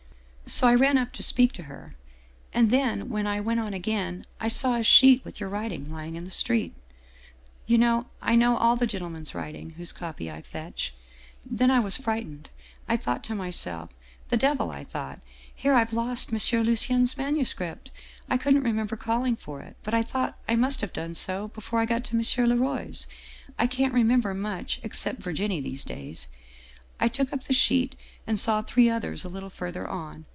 So I ran up to speak to her. And then when I went on again, I saw a sheet with your writing lying in the street. You know I know all the gentlemen's writing, whose copy I fetch. Then I was frightened. I thought to myself, ' The devil/ I thought, ' here I've lost M. Lucien's manuscript/ I couldn't remember calling for it, but I thought I must have done so before I got M. Laroy's. I can't remem ber much except Virginie these days. I took up the sheet and saw three others a little further on.